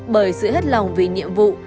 bởi sự hết lòng vì nhiệm vụ